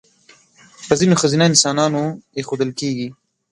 په ځینو ښځینه انسانانو اېښودل کېږي.